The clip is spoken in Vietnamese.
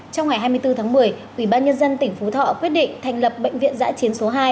trong ngày hai mươi bốn tháng một mươi ubnd tỉnh phú thọ quyết định thành lập bệnh viện giã chiến số hai